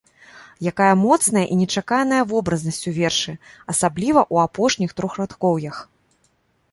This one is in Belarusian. Якая моцная і нечаканая вобразнасць у вершы, асабліва ў апошніх трохрадкоўях!